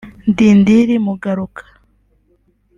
Ndindiri Mugaruka